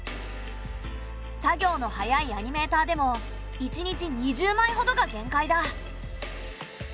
作業の早いアニメーターでも１日２０枚ほどが限界だ。